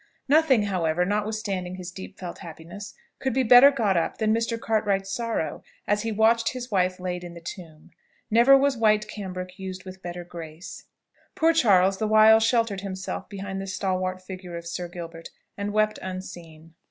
Nothing however, notwithstanding his deep felt happiness, could be better got up than Mr. Cartwright's sorrow as he watched his wife laid in the tomb: never was white cambric used with better grace. Poor Charles the while sheltered himself behind the stalwart figure of Sir Gilbert, and wept unseen.